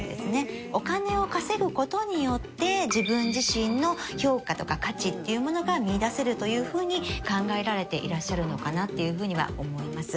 お金を稼ぐ事によって自分自身の評価とか価値っていうものが見いだせるというふうに考えられていらっしゃるのかなっていうふうには思います。